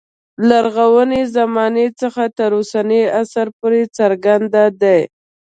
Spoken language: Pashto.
لرغونې زمانې څخه تر اوسني عصر پورې څرګند دی.